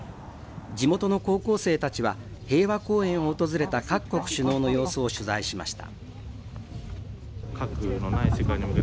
地元の高校生たちは平和公園を訪れた各国首脳の様子を取材しました。